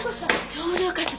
ちょうどよかった。